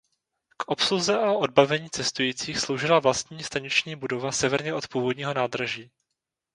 K obsluze a odbavení cestujících sloužila vlastní staniční budova severně od původního nádraží.